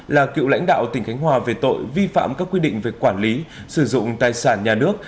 là cựu lãnh đạo tỉnh khánh hòa về tội vi phạm các quy định về quản lý sử dụng tài sản nhà nước